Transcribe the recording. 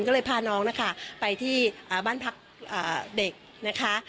ก็เลยพาน้องนะคะไปที่บ้านพักเด็กนะคะ